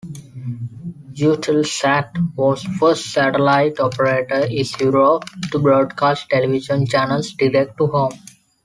Eutelsat was the first satellite operator in Europe to broadcast television channels direct-to-home.